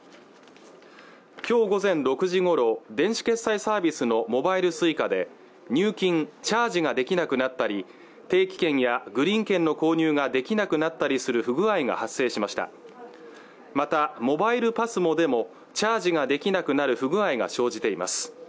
今日午前６時ごろ電子決済サービスのモバイルＳｕｉｃａで入金チャージができなくなったり定期券やグリーン券の購入ができなくなったりする不具合が発生しましたまたモバイルＰＡＳＭＯでもチャージができなくなる不具合が生じています